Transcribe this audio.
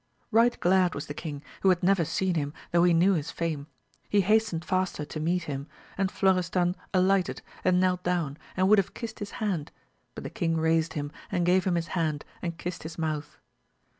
Eight glad was the king, who had never seen him though he knew his fame; he hast^ed faster to meet him, and Florestan alighted and knelt down, and would have kissed his hand, but the king raised him and gave him his hand and kissed his mouth.